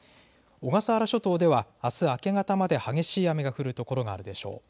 小笠原諸島ではあす明け方まで激しい雨が降る所があるでしょう。